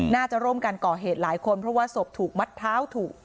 น่าจะร่วมกันก่อเหตุหลายคนเพราะว่าศพถูกมัดเท้าถูก